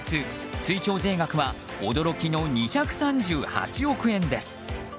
追徴税額は驚きの２３８億円です。